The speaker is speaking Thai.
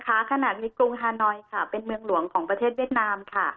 ขณะนี้กรุงฮานอยค่ะเป็นเมืองหลวงของประเทศเวียดนามค่ะ